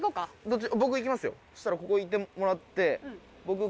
僕行きますよそしたらここいてもらって。